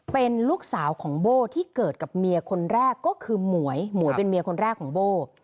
เป็นลูกสาวของโบ้ที่เกิดกับเมียคนแรกก็คือหมวยหมวยเป็นเมียคนแรกของโบ้